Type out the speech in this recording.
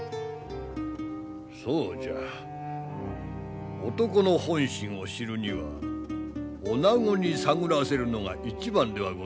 そうじゃ男の本心を知るには女子に探らせるのが一番ではございませぬか？